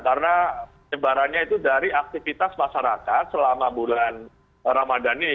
karena nyebarannya itu dari aktivitas masyarakat selama bulan ramadan ini